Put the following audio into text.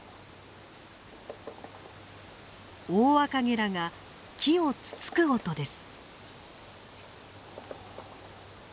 オオアカゲラが木をつつく音です。